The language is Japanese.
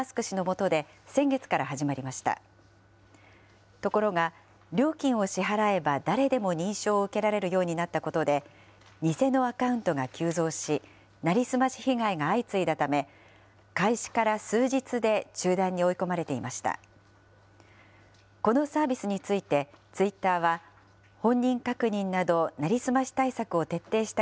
ところが、料金を支払えば誰でも認証を受けられるようになったことで、偽のアカウントが急増し、成り済まし被害が相次いだため、開始から数日で、中断に追い込まれていました。